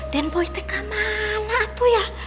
denboy teh kemana tuh ya